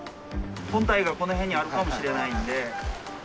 本体がこの辺にあるかもしれないんで。